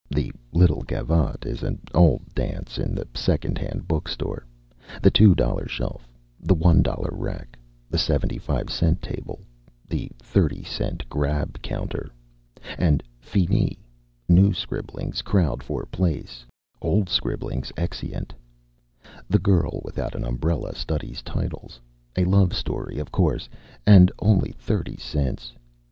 The little gavotte is an old dance in the second hand book store. The $2 shelf. The $1 rack. The 75 cent table. The 30 cent grab counter. And finis. New scribblings crowd for place, old scribblings exeunt. The girl without an umbrella studies titles. A love story, of course, and only thirty cents.